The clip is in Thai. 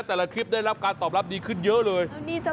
แต่ละคลิปได้รับการตอบรับดีขึ้นเยอะเลย